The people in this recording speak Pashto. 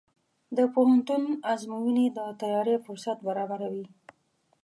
د پوهنتون ازموینې د تیاری فرصت برابروي.